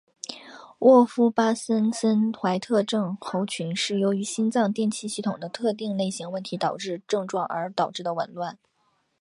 沃夫巴金森怀特症候群是由于心脏电气系统的特定类型问题导致症状而导致的紊乱。